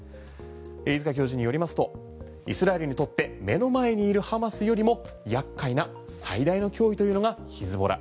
飯塚教授によりますとイスラエルにとって目の前にいるハマスよりも厄介な最大の脅威というのがヒズボラ。